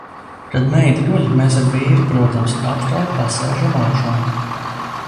Kad meita guļ, mēs ar vīru, protams, atkal pasēžam augšā.